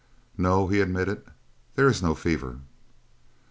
"No," he admitted, "there is no fever."